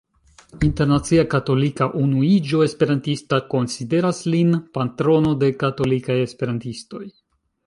Internacia Katolika Unuiĝo Esperantista konsideras lin patrono de la katolikaj esperantistoj.